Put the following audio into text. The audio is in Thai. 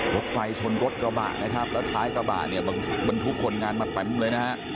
รถไฟชนรถกระบะนะครับแล้วท้ายกระบะเนี่ยบรรทุกคนงานมาเต็มเลยนะฮะ